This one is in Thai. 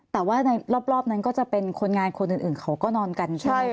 แต่ว่าในรอบนั้นก็จะเป็นคนงานคนอื่นเขาก็นอนกันใช่ไหม